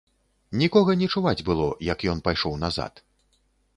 Нікога не чуваць было, як ён пайшоў назад.